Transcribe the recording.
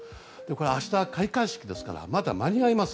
明日、開会式ですからまだ間に合います。